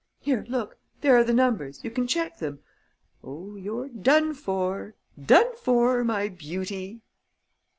Here, look: there are the numbers; you can check them.... Oh, you're done for, done for, my beauty!"